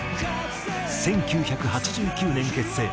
１９８９年結成。